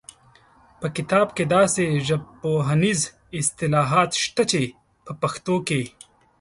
په کتاب کې داسې ژبپوهنیز اصطلاحات شته چې په پښتو کې